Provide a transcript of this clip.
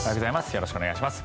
よろしくお願いします。